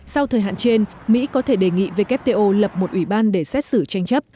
sau thời hạn trên mỹ có thể đề nghị wto lập một ủy ban để xét xử tranh chấp